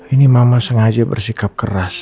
ini mama sengaja bersikap keras